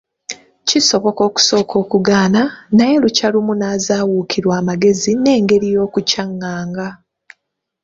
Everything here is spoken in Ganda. Kisoboka okusooka okugaana, naye lukya lumu n’azaawukirwa amagezi n’engeri y’okukyaŋŋanga.